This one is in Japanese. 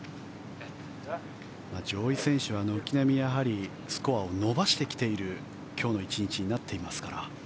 上位選手は軒並みスコアを伸ばしてきている今日の１日になっていますから。